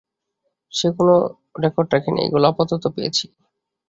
সে কোনো রেকর্ড রাখেনি, এগুলোই আপাতত পেয়েছি।